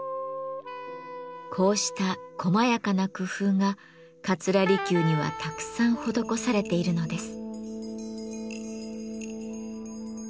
こうしたこまやかな工夫が桂離宮にはたくさん施されているのです。